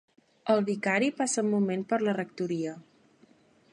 El vicari passa un moment per la rectoria.